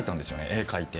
絵を描いて。